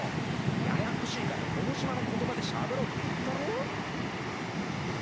ややっこしいからこの島の言葉でしゃべろって言ったろ？